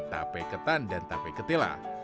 tape ketan dan tape ketela